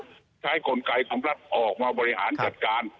ใช้กลไกของรัฐออกมาบริหารจัดการ